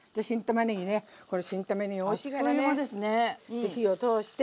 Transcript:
で火を通して。